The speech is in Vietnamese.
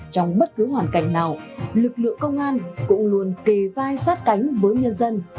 trong bất cứ hoàn cảnh nào lực lượng công an cũng luôn kề vai sát cánh với nhân dân